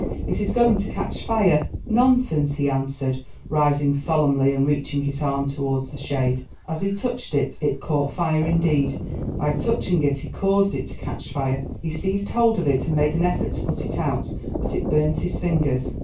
it is going to catch fire!" "Nonsense," he answered, rising solemnly and reaching his arm towards the shade. As he touched it, it caught fire; indeed, by touching it he caused it to catch fire. He seized hold of it, and made an effort to put it out, but it burnt his fingers.